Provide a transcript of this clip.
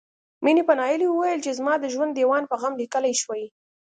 مينې په ناهيلۍ وويل چې زما د ژوند ديوان په غم ليکل شوی